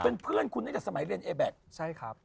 เป็นเพื่อนคุณนี้จากสมัยเรียนแอร์แบ็คใช่ครับ